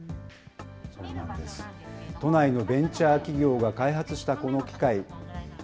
都内のベンチャー企業が開発したこの機械。